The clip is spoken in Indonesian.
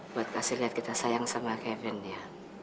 buat kasih lihat kita sayang sama kevin ya